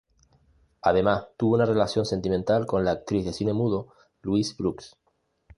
Además, tuvo una relación sentimental con la actriz del cine mudo Louise Brooks.